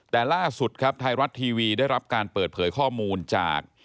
แต่ล่าสุดครับไทยรัฐทีวีได้รับการเปิดเผยข้อมูลจาก